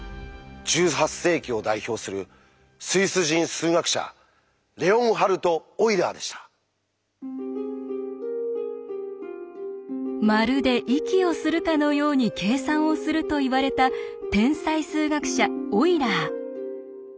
１８世紀を代表するスイス人数学者「まるで息をするかのように計算をする」といわれた天才数学者オイラー。